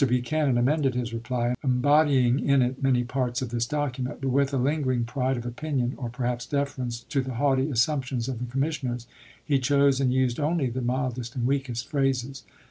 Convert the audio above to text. Buchanan amended his reply, embodying in it many parts of this docu ment. But with a lingering pride of opinion, or perhaps deference to the haughty assumptions of the commissioners, he chose and used only the mildest and weakest phrases.